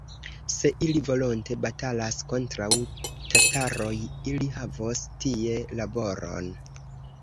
Se ili volonte batalas kontraŭ tataroj, ili havos tie laboron!